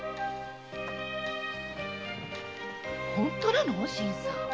本当なの新さん？